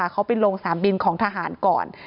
เขาไปลงสนามบินของทหารก่อน